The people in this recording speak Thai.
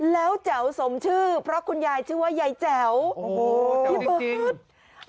แล้วแจ๋วสมชื่อเพราะคุณยายชื่อว่ายายแจ๋วโอ้โหพี่เบิร์ต